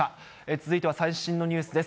続いては最新のニュースです。